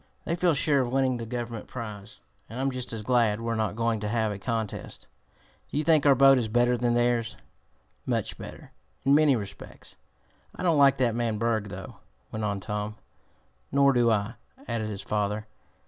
They feel sure of winning the Government prize, and I'm just as glad we're not going to have a contest." "Do you think our boat is better than theirs?" "Much better, in many respects." "I don't like that man Berg, though," went on Tom. "Nor do I," added his father.